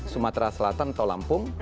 sumatera selatan atau lampung